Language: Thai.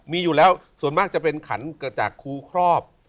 มีอยู่แล้วส่วนมากจะเป็นขันเกิดจากครูครอบ